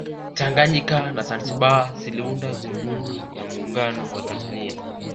tanganyika na zanzibar ziliunda jamhuri ya muungano wa tanzania